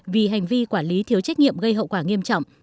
vì hành vi quản lý thiếu trách nhiệm gây hậu quả nghiêm trọng